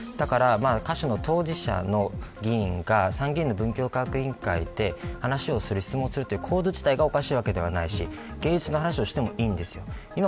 歌手の当事者の議員が参議院の文教科学委員会で話をする、質問をするという構図自体がおかしいわけではないし芸術の話をしてもいいんです。